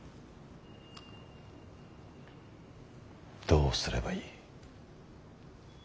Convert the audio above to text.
どうすればいい。